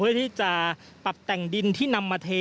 เพื่อที่จะปรับแต่งดินที่นำมาเท